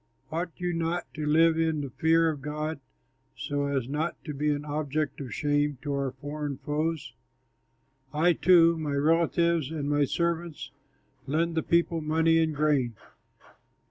Ought you not to live in the fear of God, so as not to be an object of shame to our foreign foes? I, too, my relatives, and my servants lend the people money and grain.